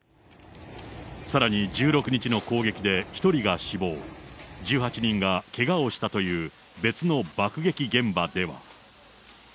さらに１６日の攻撃で１人が死亡、１８人がけがをしたという別の爆撃現場では。